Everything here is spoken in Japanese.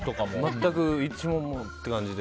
全く、１問もっていう感じで。